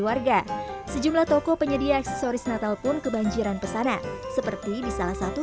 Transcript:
warga sejumlah toko penyedia aksesoris natal pun kebanjiran pesanan seperti di salah satu